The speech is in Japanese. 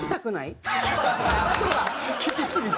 聴きすぎて。